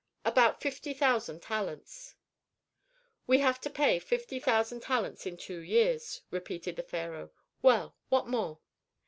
"About fifty thousand talents." "We have to pay fifty thousand talents in two years," repeated the pharaoh. "Well, what more?"